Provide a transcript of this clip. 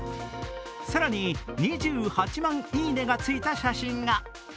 更に、２８万「いいね」がついた写真が。